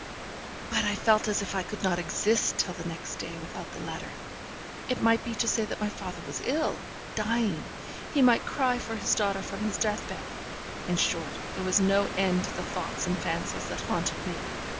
But I felt as if I could not exist till the next day, without the letter. It might be to say that my father was ill, dying he might cry for his daughter from his death bed! In short, there was no end to the thoughts and fancies that haunted me.